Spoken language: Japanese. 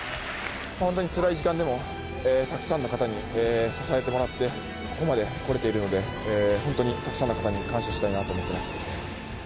本当につらい時間でも、たくさんの方に支えてもらって、ここまで来れているので、本当にたくさんの方に感謝したいなと思ってます。